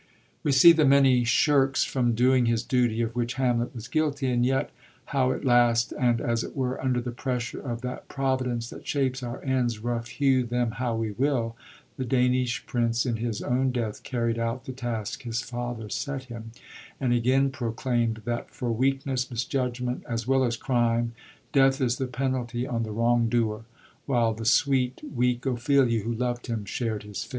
We see the many shirks from doing his duty of which Hamlet was guilty, and yet how at last, and, as it were, under the pressure of that * Providence that shapes our ends, rough hew them how we will,' the Danish prince in his own death carried out the task his father set him, and again proclaimd that for weakness, misjudgment, as well as crime, death is the penalty on the wrongdoer ; while the sweet, weak Ophelia, who lovd him, shared his fate.